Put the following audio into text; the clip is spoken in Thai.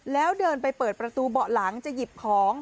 แล้วเดินไปเปิดประตูเบาะหลังจะหยิบของ